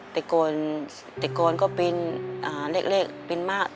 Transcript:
แต่ก่อนก็ปินเล็กปินมาก